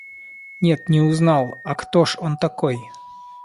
– Нет, не узнал; а кто ж он такой?